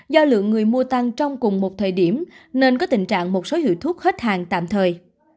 do lượng người mua tăng trong cùng một thời điểm nên có tình trạng một số hiệu thuốc hết hàng tạm thời